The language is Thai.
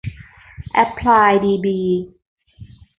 แอ็พพลาย ดีบี